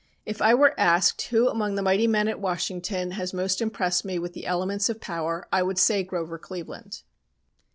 "If I were asked who among the mighty men at Washington has most impressed me with elements of power I would say Grover Cleveland.